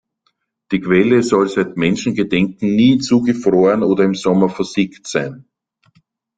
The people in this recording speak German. Die Quelle soll seit Menschengedenken nie zugefroren oder im Sommer versiegt sein.